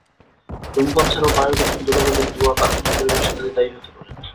ধূমপান ছাড়াও বায়ুদূষণ, ধুলোবালি, ধোঁয়া, কারখানার পরিবেশ ইত্যাদি দায়ী হতে পারে।